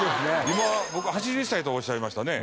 今８０歳とおっしゃいましたね。